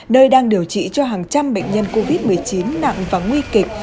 nơi đang điều trị cho hàng trăm bệnh nhân covid một mươi chín nặng và nguy kịch